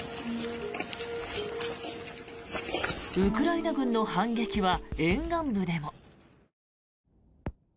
ウクライナ軍の反撃は沿岸部でも。